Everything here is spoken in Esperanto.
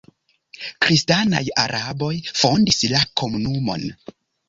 Kristanaj araboj fondis la komunumon.